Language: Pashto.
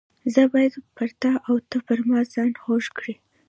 زه باید پر تا او ته پر ما ځان خوږ کړې.